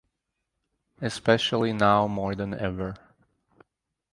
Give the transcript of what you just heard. Especially now more than ever.